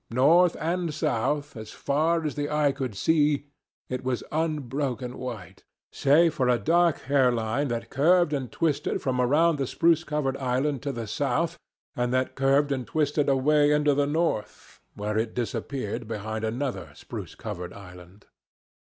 North and south, as far as his eye could see, it was unbroken white, save for a dark hair line that curved and twisted from around the spruce covered island to the south, and that curved and twisted away into the north, where it disappeared behind another spruce covered island.